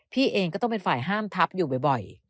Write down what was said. พี่เองก็ต้องเป็นฝ่ายห้ามทับอยู่บ่อย